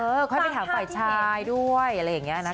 ค่อยไปถามฝ่ายชายด้วยอะไรอย่างนี้นะคะ